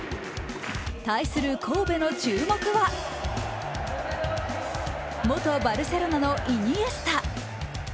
対する神戸の注目は元バルセロナのイニエスタ。